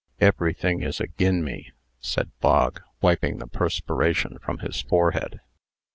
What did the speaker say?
"Everything is agin' me," said Bog, wiping the perspiration from his forehead.